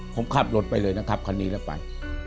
ผมขับรถไปเลยนะครับคันนี้แล้วไป